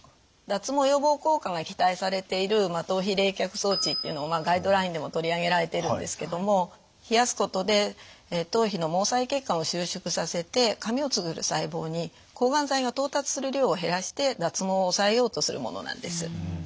脱毛予防効果が期待されている頭皮冷却装置っていうのをガイドラインでも取り上げられているんですけども冷やすことで頭皮の毛細血管を収縮させて髪をつくる細胞に抗がん剤が到達する量を減らして脱毛を抑えようとするものなんです。